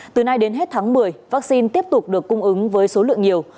từ nay đến hết tháng một mươi vaccine tiếp tục được cung ứng với số lượng nhiều